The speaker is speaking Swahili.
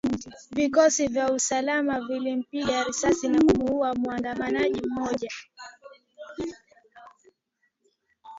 Vikosi vya usalama vilimpiga risasi na kumuuwa muandamanaji mmoja